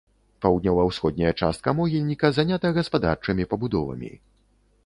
Паўднёва-ўсходняя частка могільніка занята гаспадарчымі пабудовамі.